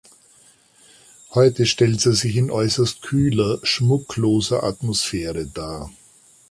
Heute stellt sie sich in äußerst kühler, schmuckloser Atmosphäre dar.